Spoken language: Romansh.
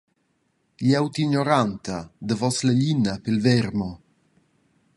Glieud ignoranta, davos la glina pilvermo.